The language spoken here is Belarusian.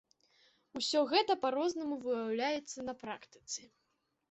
Усё гэта па-рознаму выяўляецца на практыцы.